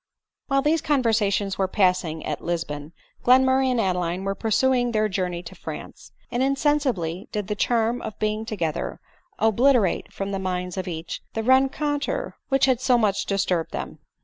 While these conversations were passing at Lisbon, Glenmurray and Adeline were pursuing their journey to France ; and insensibly did the charm of being together obliterate from the minds of each the rencontre which had so much disturbed them.